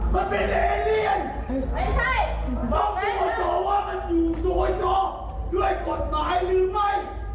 มันเป็นเอเลียนไม่ใช่มันอยู่โดยช้อด้วยกฎหมายหรือไม่